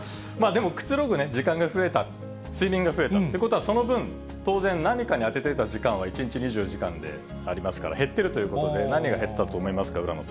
でも、くつろぐ時間が増えた、睡眠が増えたってことは、その分、当然何かに充ててた時間は１日２４時間でありますから、減ってるということで、何が減ったと思いますか？